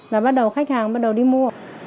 là khách hàng bắt đầu đi mua